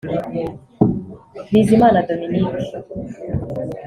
Bizimana Dominique